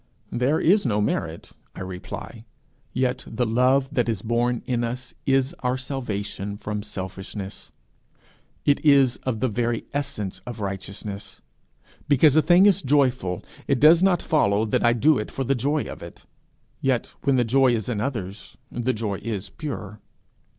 There is no merit, I reply, yet the love that is born in us is our salvation from selfishness. It is of the very essence of righteousness. Because a thing is joyful, it does not follow that I do it for the joy of it; yet when the joy is in others, the joy is pure.